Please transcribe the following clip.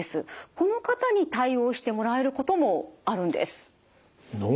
この方に対応してもらえることもあるんです。